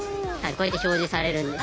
こうやって表示されるんです。